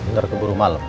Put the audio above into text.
ntar keburu malem